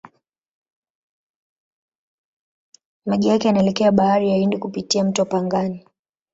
Maji yake yanaelekea Bahari ya Hindi kupitia mto Pangani.